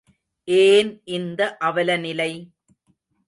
ஏன் இந்த அவலநிலை!